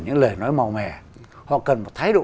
những lời nói màu mè họ cần một thái độ